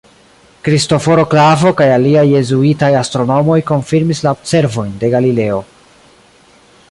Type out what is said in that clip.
Kristoforo Klavo kaj aliaj jezuitaj astronomoj konfirmis la observojn de Galileo.